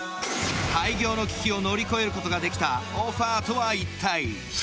廃業の危機を乗り越えることができたオファーとは一体？